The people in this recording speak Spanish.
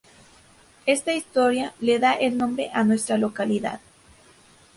Esta historia, le da el nombre a nuestra localidad.